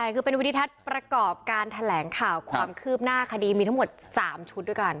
คือเป็นวิธีทัศน์ประกอบการแถลงข่าวความคืบหน้าคดีมีทั้งหมด๓ชุดด้วยกัน